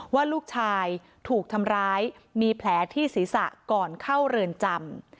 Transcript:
ว่าลูกชายถูกทำร้ายมีแผลที่ศีรษะก่อนเข้าเรือนจำ